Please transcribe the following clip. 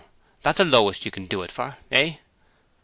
That the lower you can do it for, eh?'